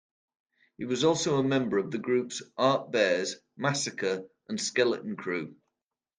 He was also a member of the groups Art Bears, Massacre, and Skeleton Crew.